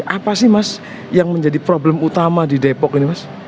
apa sih mas yang menjadi problem utama di depok ini mas